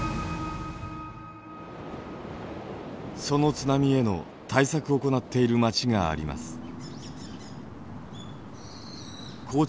その津波への対策を行っている町があります。